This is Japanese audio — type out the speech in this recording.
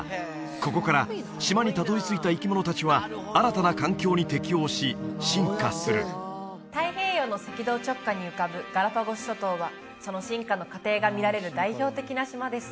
ここから島にたどり着いた生き物達は新たな環境に適応し進化する太平洋の赤道直下に浮かぶガラパゴス諸島はその進化の過程が見られる代表的な島です